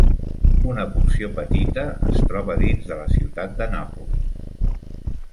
Una porció petita es troba dins de la ciutat de Nàpols.